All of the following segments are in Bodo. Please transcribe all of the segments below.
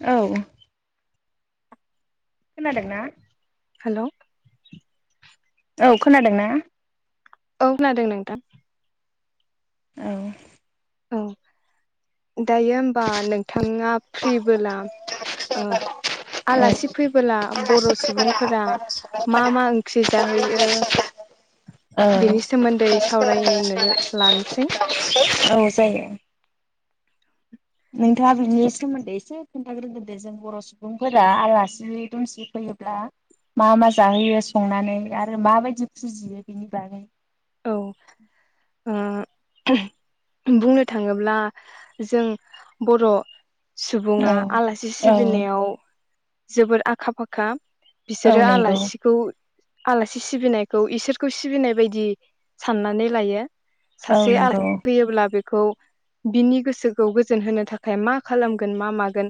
औ खोनादोंना? हेलौ औ खोनादोंना? औ खोनादों नोंथां। औ औ दायो होमबा नोंथाङा फ्रिबोला ओ आलासि फैबोला बर' सुबुंफोरा मा मा ओंख्रि जाहैयो बेनि सोमोन्दै सावरायनो लानोसै। औ जायो नोंथाङा बिनि सोमोन्दै एसे खोन्थाग्रोदो दे जों बर' सुबुंफोरा आलासि दुमसि फैयोब्ला मा मा जाहोयो संनानै आरो माबायदि फुजियो बेनि बागै। औ ओ बुंनो थाङोब्ला जों बर' औ सुबुङा आलासि औ सिबिनायाव जोबोर आखा फाखा। औ बिसोरो नंगौ आलासिखौ आलासि सिबिनायखौ इसोरखौ सिबिनाय बायदि साननानै लायो। औ सासे [unintelligible] नंगौ फैयोब्ला बे खौ बिनि गोसोखौ गोजोन होनो थाखाय मा खालामगोन मा मागोन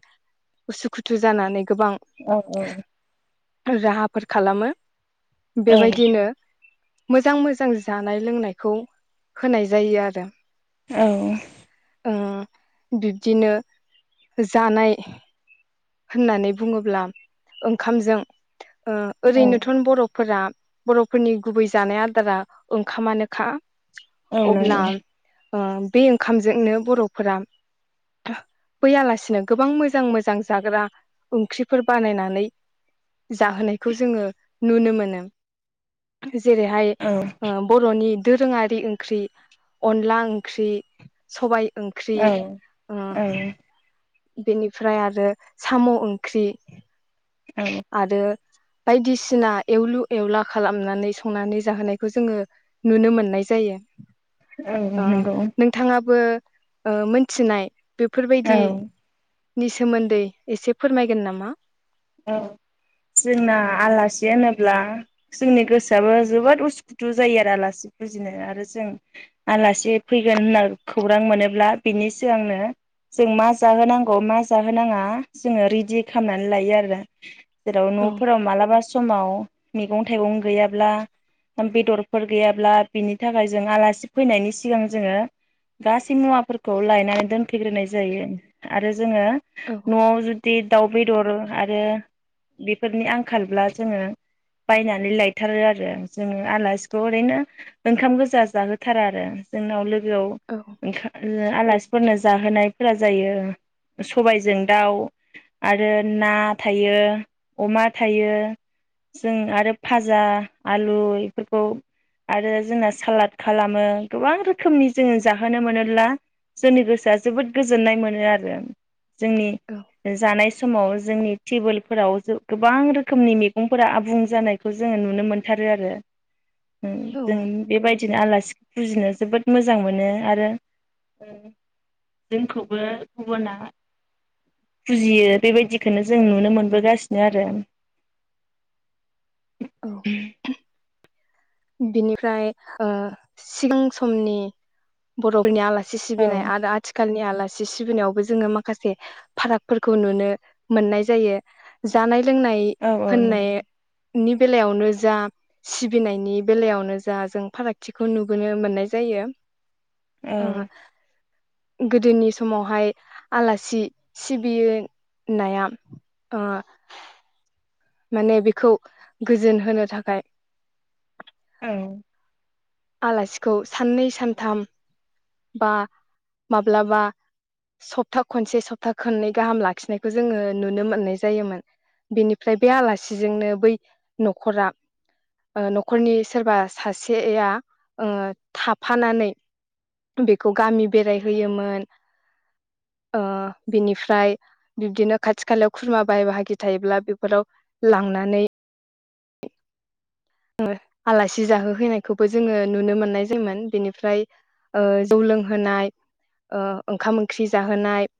उसुखुथु जानानै गोबां औ औ। राहाफोर खालामो। बेबायदिनो मोजां मोजां जानाय लोंनायखौ होनाय जायो आरो। औ। ओ बिब्दिनो जानाय होननानै बुङोब्ला ओंखामजों ओ औ औ ओरैनोथ'न बर'फोरा बर'फोरनि गुबै जानाय आदारा ओंखामा नोखा। औ नंगौ। ओ बे ओंखामजोंनो बर'फोरा बै आलासिनो गोबां मोजां मोजां जाग्रा ओंख्रिफोर बानायनानै जाहोनायखौ जोङो नुनो मोनो। जेरैहाय औ ओ बर'नि दोरोङारि ओंख्रि अनला ओंख्रि सबाइ। ओंख्रि औ ओ औ बेनिफ्राय आरो साम' ओंख्रि। औ आरो बायदिसिना एवलु एवला खालामनानै संनानै जाहोनायखौ जोङो नुनो मोननाय जायो। औ ओ नंगौ नोंथाङाबो ओ मोनथिनाय। औ बेफोरबायदि नि सोमोन्दै एसे फोरमायगोन नामा? औ जोंना आलासि होनोब्ला जोंनि गोसोआबो जोबोद उसुखुथु जायो आरो आलासि फुजिनो आरो जों आलासि फैगोन होनना खौरां मोनोब्ला बिनि सिगांनो जों मा जाहोनांगौ मा जाहोनाङा जोङो रेडि खालामनानै लायो आरो। [inaudible] जेराव औ न'फोराव मालाबा समाव मैगं थाइगं गैयाब्ला बेदरफोर गैयाब्ला बिनि थाखाय जों आलासि फैनायनि सिगां जोङो गासै मुवाफोरखौ लायनानै दोनफैग्रोनाय जायो आरो जोङो औ न'आव जु बे दाव बेदर। आरो बेफोरनि आंखालब्ला जोङो बायनानै लायथारो आरो जोङो आलासिखौ ओरैनो ओंखाम गोजा जाहोथारा आरो जोंनाव लोगो औ गोआव [unintelligible] आलासि फोरनो जाहोनायफोरा जायो सबायजों दाउ आरो ना थायो अमा थायो जों आरो फाजा आलु इफोरखौ आरो जोंना सालाद खालामो गोबां रोखोमनि जोङो जाहोनो मोनोब्ला जोंनि गोसोआ जोबोद गोजोननाय मोनो आरो। जोंनि औ जानाय समाव जोंनि टेबोलफोराव गोबां रोखोमनि मैगंफोरा आबुं जानायखौ जोङो नुनो मोनथारो आरो। औ जों बेबायदिनो आलासि फुजिनो जोबोद मोजां मोनो आरो ओ जोंखौबो गुबुना फुजियो। बेबायदिखौनो जों नुनो मोनबोगासिनो आरो। औ। बिनिफ्राय ओ सिगां समनि बर'फोरनि आलासि औ सि-सिबिनाय आरो आथिखालनि आलासि सि सिबिनायावबो जोङो माखासे फाराग फोरखौ नुनो मोननाय जायो, जानाय लोंनाय औ होननाय नंगौ नि बेलायावनो जा सिबिनायनि बेलायावनो जा जों फारागथिखौ नुबोनो मोननाय जायो। ओह औ गोदोनि समावहाय आलासि सिबिनाया ओ माने बेखौ गोजोन होनो थाखाय औ। आलासिखौ साननै सानथाम बा माब्लाबा सप्ता खनसे सप्ता खननै गाहाम लाखिनायखौ जोङो नुनो मोननाय जायोमोन। बेनिफ्राय बे आलासिजोंनो बै न'खरा ओ न'खरनि सोरबा सासेया ओ थाफानानै बेखौ गामि बेरायहोयोमोन ओ बिनिफ्राय बिब्दिनो खाथि खालायाव खुरमा बाहाय बाहागि थायोब्ला बेफोराव लांनानै आलासि जाहोहैनायखौबो जोङो नुनो मोननाय जायोमोन। बेनिफ्राय ओ जौ लोंहोनाय ओ ओंखाम ओंख्रि जाहोनाय